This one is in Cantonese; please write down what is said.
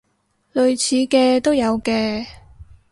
類似嘅都有嘅